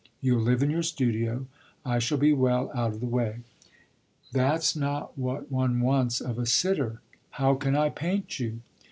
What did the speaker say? You'll live in your studio I shall be well out of the way." "That's not what one wants of a sitter. How can I paint you?"